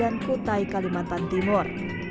dan di kutai kalimantan timur